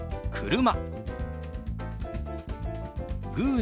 「車」。